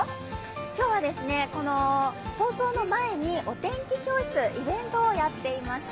今日はですね、この放送の前にお天気教室イベントをやっていました。